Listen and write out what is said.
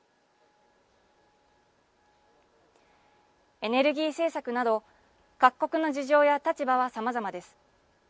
エネルギー政策など各国の事情や立場はさまざまです。